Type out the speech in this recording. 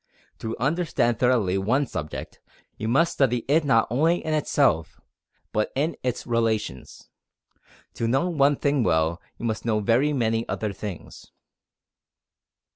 To understand thoroughly one subject, you must study it not only in itself, but in its relations. To know one thing well you must know very many other things.